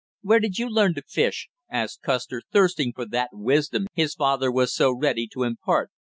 "Where did you learn to fish?" asked Custer, thirsting for that wisdom his father was so ready to impart.